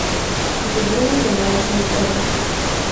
Зубіла ўядалася ў прэнт.